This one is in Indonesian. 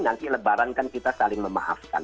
nanti lebaran kan kita saling memaafkan